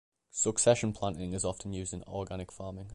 Succession planting is often used in organic farming.